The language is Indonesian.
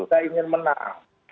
kita ingin menang